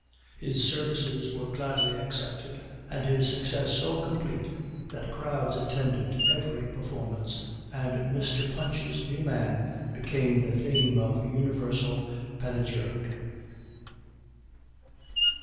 His services were gladly accepted, and his success so complete, that crowds attended every performance, and Mr. Punch's new man became the theme of universal panegyric.